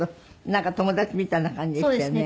なんか友達みたいな感じでしたよね。